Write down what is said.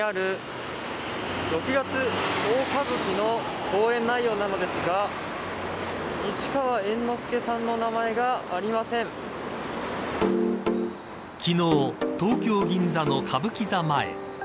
こちら、歌舞伎座前にある六月大歌舞伎の公演内容なのですが市川猿之助さんの昨日、東京銀座の歌舞伎座前。